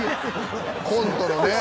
コントのね。